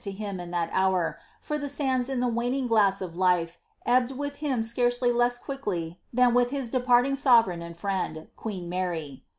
to him.iil. Uiat.l^prt fy^ ^ Df^ >b the waning glass of life ebbed with him scareelj less quickly fhan with hii departing sovereign and friend, qoeea Uaiy.